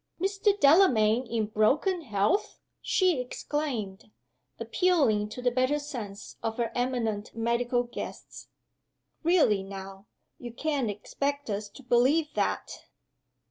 "Mr. Delamayn in broken health!" she exclaimed, appealing to the better sense of her eminent medical guest. "Really, now, you can't expect us to believe that!"